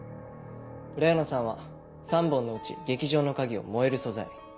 レオナさんは３本のうち劇場の鍵を燃える素材。